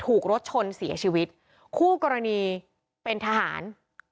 ถูกรถชนเสียชีวิตคู่กรณีเป็นทหาร